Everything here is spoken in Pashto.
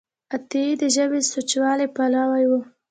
عطایي د ژبې د سوچهوالي پلوی و.